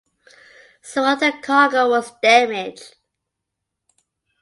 Some of the cargo was damaged.